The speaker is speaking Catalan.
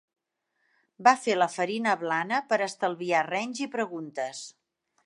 Va fer la farina blana per estalviar renys i preguntes.